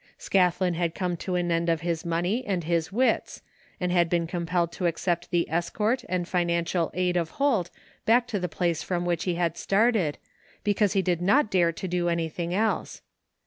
Scathlin had come to the end of his money and his wits, and had been compelled to accept the escort and financial aid of Holt back to the place from which he had started, because he did not dare to do an3rthing else.